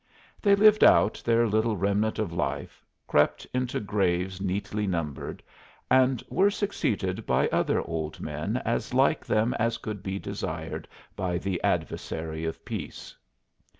They lived out their little remnant of life, crept into graves neatly numbered, and were succeeded by other old men as like them as could be desired by the Adversary of Peace.